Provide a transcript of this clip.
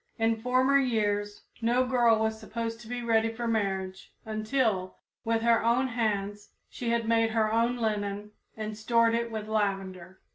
In former years no girl was supposed to be ready for marriage until, with her own hands, she had made her own linen and stored it with lavender.